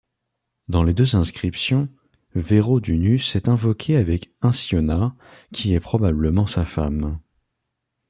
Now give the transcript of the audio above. Dans les deux inscriptions, Veraudunus est invoqué avec Inciona qui est probablement sa femme.